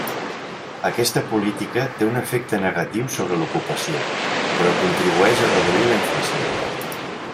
Aquesta política té un efecte negatiu sobre l'ocupació però contribueix a reduir la inflació.